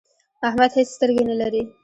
احمد هيڅ سترګې نه لري.